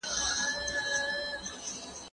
زه به سبا چای وڅښم؟!